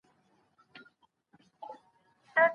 باچا